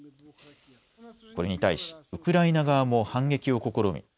これに対しウクライナ側も反撃を試み